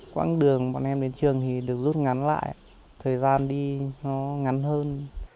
quãng đường bọn em đến trường thì được rút ngắn lại thời gian đi ngắn hơn